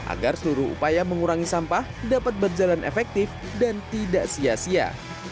agar seluruh upaya mengurangi sampah dapat berjalan efektif dan tidak sia sia